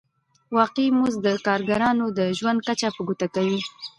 واقعي مزد د کارګرانو د ژوند کچه په ګوته کوي